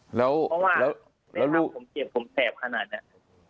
เพราะว่าในท้องผมเจ็บผมแสบขนาดนี้